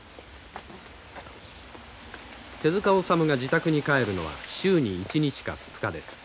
手塚治虫が自宅に帰るのは週に１日か２日です。